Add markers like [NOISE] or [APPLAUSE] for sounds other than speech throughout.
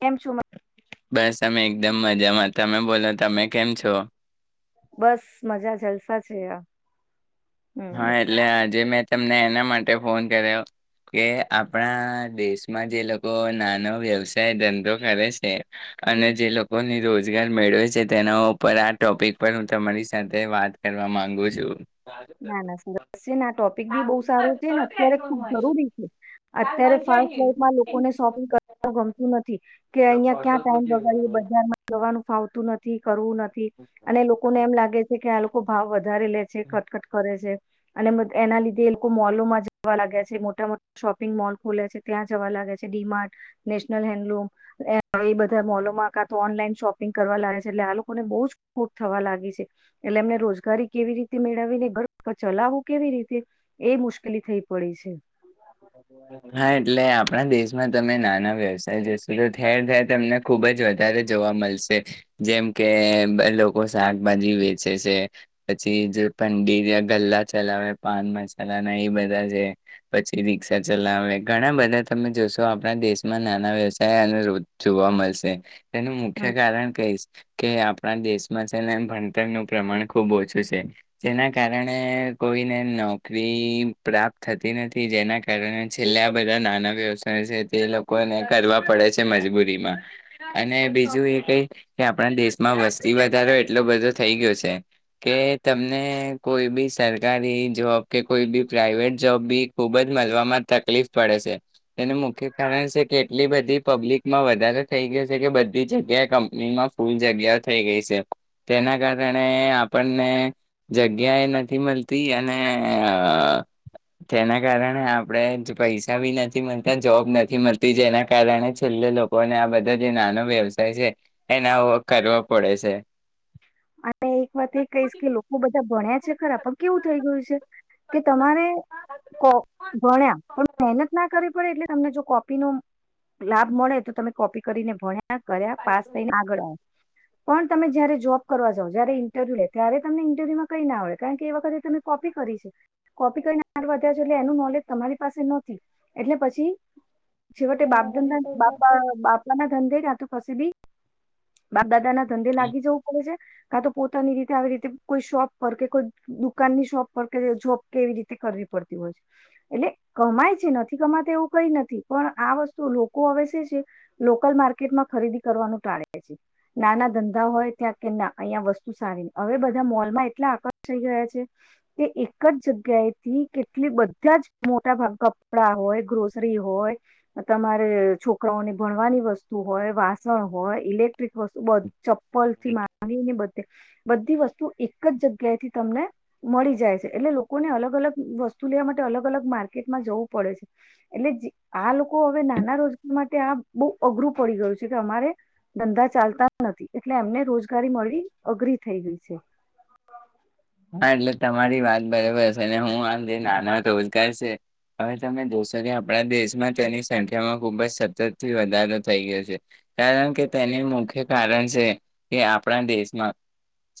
કેમ છું મજા બસ અમે એકદમ મજામાં. તમે બોલો તમે કેમ છો? બસ મજા જલસા છે. આ હમ હા એટલે આજે મે તમને એના માટે ફોન કર્યો કે, આપણા દેશમાં જે લોકો નાનો વ્યવસાય ધંધો કરે છે અને જે લોકોને રોજગાર મેળવે છે, તેના ઉપર આ ટોપિક પર હું તમારી સાથે વાત કરવા માંગુ છું. ના ના સરસ છે ને આ ટોપિક બી બહુ સારું છે ને અત્યારે ખુબ જરૂરી છે. અત્યારે ફાસ્ટ લાઇફ માં લોકોને શોપિંગ કરવા ગમતું નથી. કે અહિયાં ક્યાં ટાઈમ બગાડી બજારમાં જવાનું ફાવતું નથી, કરવું નથી અને લોકોને એમ લાગે છે, કે આ લોકો ભાવ વધારે લે ખટખટ! કરે છે. અને એના લીધે એ લોકો મોલોમાં જવા લાગ્યા છે. મોટા મોટા શોપિંગ મોલ ખોલે છે ત્યાં જવા લાગ્યા છે ડીમાર્ટ, નેશનલ હેન્ડલૂમ, એ બધા મોલોમાં કા તો ઓનલાઈન શોપિંગ કરવા લાગે છે. એટલે આ લોકોને બહુ જ ખોટ થવા લાગી છે. એટલે એમને રોજગારી કેવી રીતે મેળવીને? તો, ચલાવવું કેવી રીતે એ મુશ્કેલી થઈ પડી છે. હા એટલે આપણા દેશ માં તમે નાના વ્યવસાય જોશો તો ઠેર ઠેર તમને ખુબ જ વધારે જોવા મળશે જેમ કે, લોકો શાકભાજી વેચે છે. પછી જે પંડી ગલ્લા ચલાવે, પાન મસાલા ના એ બધા છે. પછી ચલાવે ઘણા બધા તમે જોશો આપણા દેશમાં, નાના વ્યવસાય અનુધ જોવા મળશે. તેનું મુખ્ય હમ. કારણ કહીશ કે આપણા દેશ ભણતરનું પ્રમાણ ખુબ ઓછું છે. જેના કારણે કોઈને નોકરી પ્રાપ્ત થતી નથી, જેના છેલ્લા બધા નાના વ્યવસાય છે તે લોકોને કરવા પડે છે. મજબૂરીમાં અને બીજું એ કઈ કે આપણા દેશમાં વસ્તી વધારો એટલો બધો થઈ ગયો છે કે તમને કોઈ બી સરકારી જોબ કે કોઈ બી પ્રાઈઇવેટ જોબ બી ખૂબ જ મળવામાં તકલીફ પડે છે. તેનું મુખ્ય કારણ છે કે એટલી બધી પબ્લિકમાં વધારેો થઈ ગયો છે કે, બધી જગ્યાએ કંપનીમાં ફૂલ જગ્યાઓ થઈ ગઈ છે તેના કારણે આપણને જગ્યા એ નથી મળતી અને તેના કારણે આપણે પૈસા ભી નથી મળતા, જોબ નથી મળતી, જેના કારણે છેલ્લે લોકોને આ બધા જે નાનો વ્યવસાય છે, એનાવો કરવો પડે છે. અને એક વાત એ કહીશ કે, લોકો બધા ભણ્યા છે ખરા પણ કેવું થઈ ગયું છે કે? તમારે ભણ્યા પણ મહેનત ના કરવી પડે, એટલે તમને જો કોપી નો લાભ મળે તો તમે કોપી કરીને ભણ્યા કર્યા પાસ થઈને આગળ આવો પણ તમે જયારે જોબ કરવા જાવ, જયારે ઈન્ટરવ્યુ લે ત્યારે તમને ઈન્ટરવ્યુમાં કઈ ના આવડે, કારણ કે એ વખતે તમે કોપી કરી છે, કોપી કરીને આગળ વધ્યા છો એટલે એનું નોલેજ તમારી પાસે નથી એટલે પછી શેવટે બાપદ બાપ બાપલાના ધંધે જાતું કસી બી બાપ દાદા ના ધંધે લાગી જવું કા તો પોતાની રીતે આવી રીતે કોઈ શોપ પર, કે કોઈ દુકાનની શોપ પર, કે જોબ કેવી રીતે કરવી પડતી હોય છે. એટલે કમાય છે નથી કમાતા એવું કઈ નથી, પણ આ વસ્તુ લોકો હવે છે લોકલ માર્કેટમાં ખરીદી કરવાનું ટાળે છે. નાના ધંધા હોય ત્યાં કે ના અહીંયા વસ્તુ સારી, હવે બધા મોલમાં એટલા આકર્ષાઈ ગયા છે કે, એક જ જગ્યાએથી કેટલી બધા જ મોટા ભાગ કપડા હોય, ગ્રોસરી હોય, તમારે છોકરાઓને ભણવાની વસ્તુ હોય, વાસણ હોય, ઇલેક્ટ્રિક વસ્તુ બંધુ ચપ્પલથી મા બચે બધી વસ્તુ એક જ જગ્યાથી તમને મળી જાય છે એટલે લોકોને અલગ અલગ વસ્તુ લેવા માટે અલગ અલગ માર્કેટમાં જવું પડે છે એટલે આ લોકો હવે નાના રોજગાર માટે આ બોવ અઘરું પડી ગયું છે કે અમારે ધંધા ચાલતા નથી એટલે એમને રોજ ગારી મળવી અઘરી થઈ ગઈ છે. હા એટલે તમારી વાત બરાબર છે અને હું આે નાના રોજગાર છે હવે તમે જોશો કે આપણા દેશમાં તેની સંખ્યામાં ખુબ જ સતતથી વધારો થઈ ગયો છે કારણ કે તેને મુખ્ય કારણ છે કે આપણા દેશમાં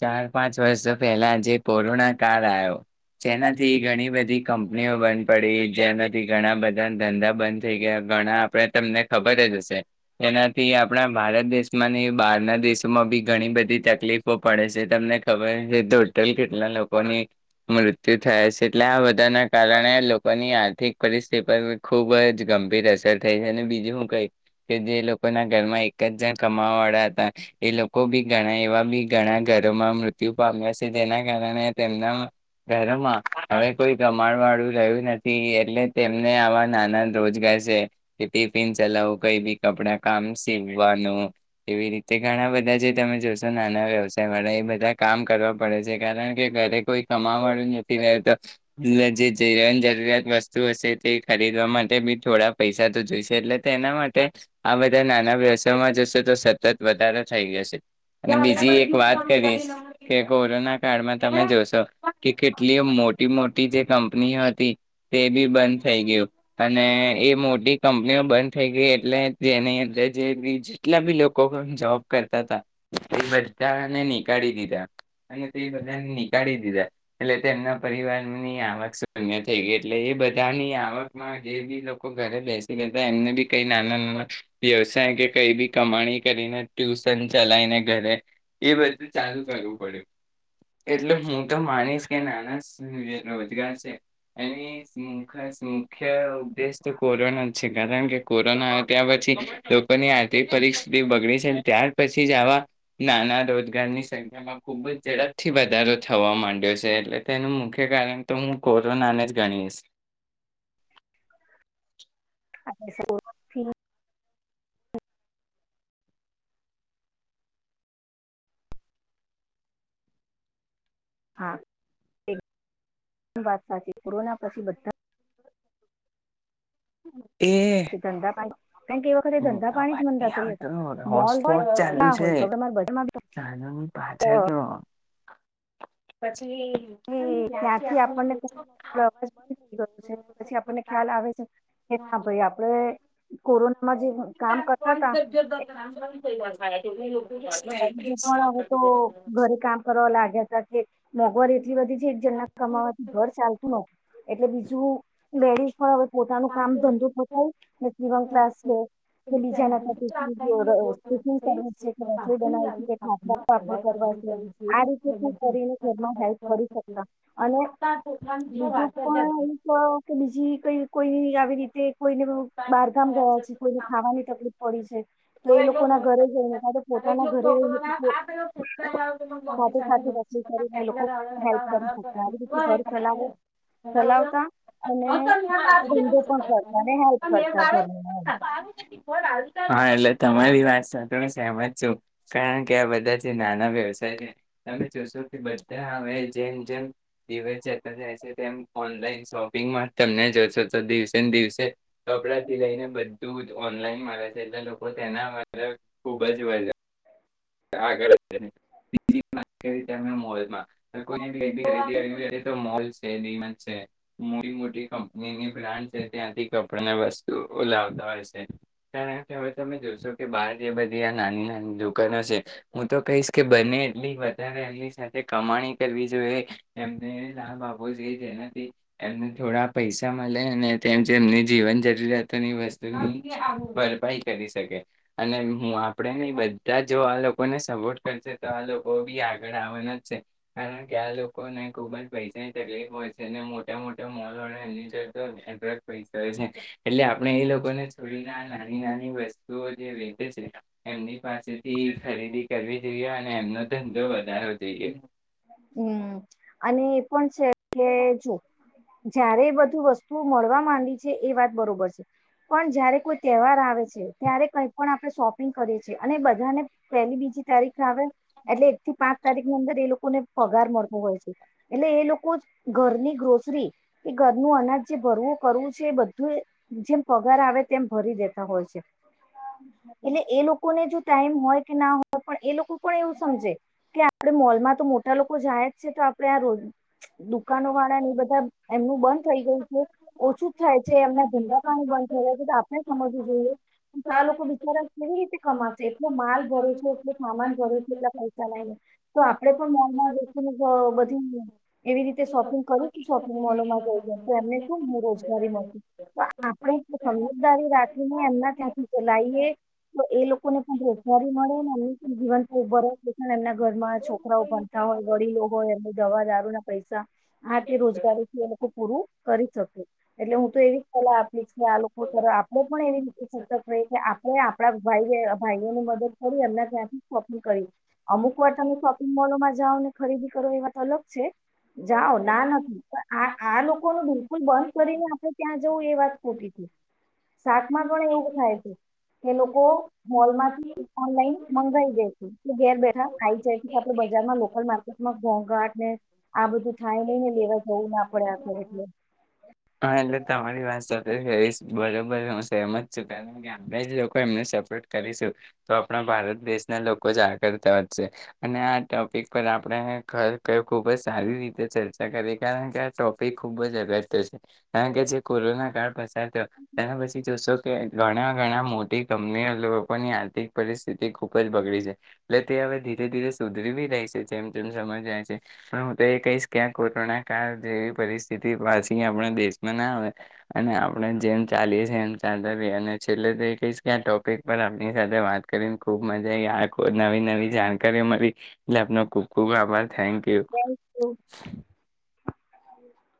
ચાર પાંચ વર્ષો પહેલા જે કોરોના કાળ આવ્યો જેનાથી ઘણી બધી કંપનીઓ બંધ પડી જેનાથી ઘણા બધા ધંધા બંધ થઈ ગયા ઘણા આપણે તમને ખબર જ હશે એનાથી આપણા ભારત દેશમાં ને બહારના દેશોમાં બી ઘણી બધી તકલીફો પડે છે તમને ખબર છે ટોટલ કેટલા લોકોની મૃત્યુ થયા છે એટલે આ બધાના કારણે લોકોની આર્થિક પરિસ્થિતિ પર ખુબ જ ગંભીર અસર થઈ છે અને બીજું હું કહી કે જે લોકોના ઘરમાં એક જ જણ કમાવા વાળા હતા એ લોકો બી ઘણા એવા બી ઘણા ઘરોમાં મૃત્યુ પામ્યા છે જેના ના ઘરોમાં હવે કોઈ પ્રમાણ વાળું રહ્યું નથી એટલે તેમને આવા નાના રોજગાર છે કે ટિફિન ચલાવું કઈ બી કપડા કામ સીવવાનું એવી રીતે ઘણા બધા જે તમે જોશો નાના વ્યવસાય વાળા એ બધા કામ કરવા પડે છે. કારણ કે ઘરે કોઈ કમાવાળું નથી રહેતો જે જીવન જરૂરિયાત વસ્તુ હશે તે ખરીદવા માટે બી થોડા પૈસા તો જોઈશે એટલે તેના માટે આ બધા નાના વ્યવસાયમાં જશે તો સતત વધારો થઈ જશે અને બીજી એક વાત કરીશ કે કોરોના કાળમાં તમે જોશો કે કેટલી મોટી મોટી જે કંપનીઓ હતી તે બી બંધ થઈ ગયું અને એ મોટી કંપનીઓ બંધ થઈ ગઈ એટલે જેની અંદર જે બી જેટલા બી લોકો જોબ કરતા હતા એ બધાને નીકાળી દીધા એ બધાને નીકાળી દીધા એટલે તેમના પરિવારની આવક શૂન્ય થઈ ગઈ એટલે એ બધાની આવકમાં જે બી લોકો ઘરે બેસી ગ એમને બી કઈ નાના નાના વ્યવસાય કે કઈ બી કમાણી કરીને ટ્યુશન ચલાવીને ઘરે એ બધું ચાલુ કરવું પડ્યું એટલે હું તો માનીશ કે નાના રોજગાર છે એની મુખ્ય ઉપદેશ તો કોરોના જ છે કારણ કે કોરોના ત્યા પછી લોકોની આર્થિક પરિસ્થિતિ બગડી છે ત્યાર પછી જ આવા નાના રોજગારની સંખ્યામાં ખૂબ જ ઝડપથી વધારો થવા માંડ્યો છે એટલે તેનું મુખ્ય કારણ તો હું કોરોનાને જ ગણીશ [INAUDIBLE] હા વાત સાચી કોરોના પછી બધા [INAUDIBLE] પછી ધંધા પા કારણ કે એ વખતે ધંધા પાણી જ વાત મંદા નહી થઈ આવતો હતા મોલ હોય હોટસ્પોટ ચાલુ કલા છે હોય રે બધામાં પછી એ ત્યાંથી આપણને કોરોના અવાજ બંધ થઈ ગયો છે પછી આપણને ખ્યાલ આવે છે કે ના ભાઈ આપડે કોરોના જે કામ કરતા તા [UNINTELLIGIBLE] ગયું તો ઘરે કામ કરવા લાગ્યા હતા કે મોંઘવારી બીજી બધી છે એક જણ કમાવાથી ઘર ચાલતું ન એટલે બીજું લેડીસ પણ હવે પોતાનું કામ ધંધો પણ થાય [UNINTELLIGIBLE] ક્લાસ છે [UNINTELLIGIBLE] કરવા આ રીતે પણ કરીને ઘરમાં હેલ્પ કરી શકતા અને બીજું પણ એક કે બીજી કઈ કોઈની આવી રીતે કોઈને બારગામ ગયા છે કોઈને ખાવાની તકલીફ પડી છે તો એ લોકો ના ઘરે જઈને કાતો પોતાના ઘરે રહીને સાથે સાથે તકલીફ કરીને એ લોકો [UNINTELLIGIBLE] ઘરનું એમ [UNINTELLIGIBLE] હા એટલે તમારી વાત સાથે સહેમત છું કારણ કે આ બધા જે નાના વ્યવસાય છે તમે જોશો કે બધા હવે જેમ જેમ દિવસ જતા જાય છે તેમ ઓનલાઈન શોપિંગમાં તમને જોશો તો દિવસેને દિવસે કપડાં સીલાઈને બધું જ ઓનલાઈન છે એટલે લોકો તેના માટે ખુબ જ મજા આગળ [UNINTELLIGIBLE] ઈલ છે છે મોડી મોટી કંપનીની બ્રાન્ડ છે ત્યાંથી કપડા વસ્તુઓ લાવતા હોય છે ત હવે તમે જોશો કે બાર જે બધી આ નાની નાની દુકાનો છે. હું તો કહીશ કે બંને એટલી વધારે એમની સાથે કમાણી કરવી જોઈએ, એમને લાભ આપવો જોઈએ જેનાથી એમને થોડા પૈસા મળે અને તેમ જેમની જીવન જરૂરિયાતોની વસ્તુ ભરપાઈ કરી શકે, અને હું આપણે નહી બધા જો આ લોકો લોકોને સપોર્ટ કરશે, તો આ લોકો બી આગળ આવવાના જ છે કારણ કે આ લોકોને ખૂબ જ પૈસાની તકલીફ હોય છે અનેને મોટા મોટા મોલ હો એમની જો તોટ જ પૈસા હોય છે, એટલે આપણે એ લોકોને છોડીને નાની નાની વસ્તુઓ જે લીધે છે, એમની પાસેથી ખરીદી કરવી જોઈએ, અને એમનો ધંધો વધારવો જોઈએ. હમ અને એ પણ છે કે જો જારે બધું વસ્તુ મળવા માંડી છે, એ વાત બરોબર છે, પણ જયારે કોઈ તહેવાર આવે છે ત્યારે કઈ પણ આપણે શોપિંગ કરીએ છીએ, અને બધાને પેલી બીજી તારીખ આવે એટલે એક થી પાંચ તારીખની અંદર એ લોકોને પગાર મળતું હોય છે, એટલે એ લોકો ઘરની ગ્રોસરી કે ઘરનું અનાજ જે ભરવું કરવું છે, એ બધું જેમ પગાર આવે તેમ ભરી દેતા હોય છે એટલે એ લોકોને જો ટાઈમ હોય કે ના હોય, પણ એ લોકો પણ એવું સમજે કે આપડ મોલમાં તો લોકો જાય છે તો આપણેે આ રો દુકાનો વાળા ને એ બધા એમનું બંધ થઈ ગયું છે, ઓછું જ થાય છે એમના ધંધા પાણી બંધ થઈ જાય છે, તો આપણે સમજવું જોઈએ આ લોકો બિચારા કેવી રીતે ખમાશે, એટલે માલ ભરે છે, એટલે સામાન ભરે છે એટલા પૈસા ચલાય તો આપડે મોલને બધી એવી રીતે શોપિંગ કરીશ શોપિંગ મોલોમાં જઈ તો એમને શું રોજગારી મળતી તો આપણે સમજદારી રાખીને એમના ત્યાંથી ચલાઈએ તો એ લોકોને પણ રોજગારી મળે એમ પણ જીવન ભરા એમના ઘરમાં છો. છરાણતા હોય વડીલો હોય એમને દવા દારૂ ના પૈસા આ તે રોજગારી થી એ લોકો પૂરું કરી શકે એટલે હું તો એવી સલાહ આપીશ, કે આ લોકો ત આપણે પણ એવી રીતે સતક રહી કે આપણે આપણા ભાઈ ભાઈઓ ની મદદ કરી એમના ત્યાંથી શોપિંગ કરી અમુક વાર્ને શોપંગ મોલોમાં જાઓ ને ખરીદી કરો એ વાત અલગ છે, જાઓ ના નથી પણ આ આ લોકોનું બિલકુલ બંધ કરીને આપણે ત્યાં જવું એ વાત ખોટી છે, સાતમાં પણ એવું થાય છે કે લોકો મોલમાંથી ઓનલાઈન મંગાઈ જે છે કે ઘેર બેઠા આઈ જાય છે. આપડ બજારમાં લોકલ માર્કેટમાં ઘોઘાટ ને આ બધું થાય નહી ને લેવા જવું ના પડે આખું એટલે હા, એટલે તમારી વાત સાથે બરોબર હું સહેમ જ છું કારણ કે આપણે જ લોકો એમનો સપોર્ટ કરીશું તો આપણા ભારત દેશના લોકો જ આ કરળતા વધ છે, અને આ ટોપિક પર આપણે ખખ ખૂબ જ સારી રીતે ચર્ચા કરી કારણ કે આ ટોપિક ખૂબ જ અગત્ય છે. કારણ કે જે કોરોના કાળ પસાર થયો તેના પછી જોશો કે ઘણા ઘણા મોટી કંપનીઓ લોકોની આર્થિક પરિસ્થિતિ ખૂબ જ બગડી છે, એટલે તે હવે ધીરે ધીરે સુધરીવી રહી છે જેમ તેમમ સમજાય છે, પણ હું તો એ કહીશ કે આ કોરોના કાળ જેવી પરિસ્થિતિ પાછી આપણા દેશ મ ના આવે અને આપણે જેમ ચાલીએ છીએ, એમ ચ અને છેલ્લે તો કે આ ટોપિક પર આપની સાથે વાત કરીને ખુબ મજા આવી આખ નવી નવી જાણકારી મળી, એટલે આપનો ખૂબ ખૂબ આભાર થેન્ક યુ થેન્ક યુ [UNINTELLIGIBLE]